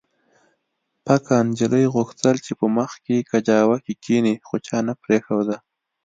پکه نجلۍ غوښتل چې په مخکې کجاوو کې کښېني خو چا نه پرېښوده